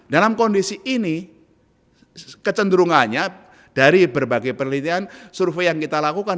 dalam kondisi ini kecenderungannya dari berbagai penelitian survei yang kita lakukan